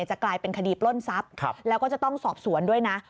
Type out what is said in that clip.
จะกลายเป็นคดีปล้นทรัพย์แล้วก็จะต้องสอบสวนด้วยนะ